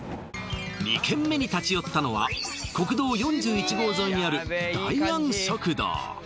２軒目に立ち寄ったのは国道４１号沿いにある大安食堂